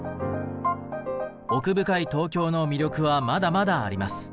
奥深い東京の魅力はまだまだあります。